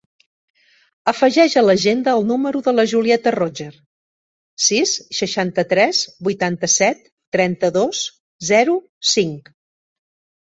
Afegeix a l'agenda el número de la Julieta Rotger: sis, seixanta-tres, vuitanta-set, trenta-dos, zero, cinc.